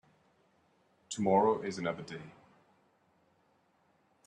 Tomorrow is another day.